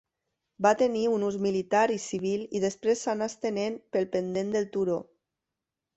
Va tenir un ús militar i civil i després s'anà estenent pel pendent del turó.